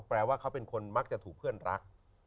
แปลว่าเขาเป็นคนมักจะถูกเพื่อนรัก